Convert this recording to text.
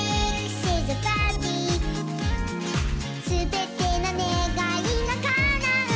「すべてのねがいがかなうなら」